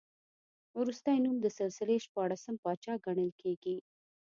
وروستی نوم د سلسلې شپاړسم پاچا ګڼل کېږي.